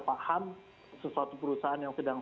paham sesuatu perusahaan yang